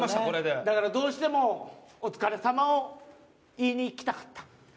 だからどうしてもお疲れ様を言いに行きたかった。